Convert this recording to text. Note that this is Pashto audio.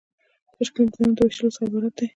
تشکیل د دندو د ویشلو څخه عبارت دی.